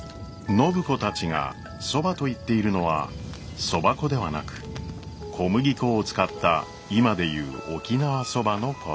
暢子たちが「そば」と言っているのはそば粉ではなく小麦粉を使った今で言う「沖縄そば」のことです。